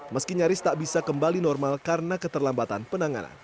meski nyaris tak bisa kembali normal karena keterlambatan penanganan